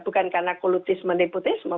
bukan karena kulutisme deputisme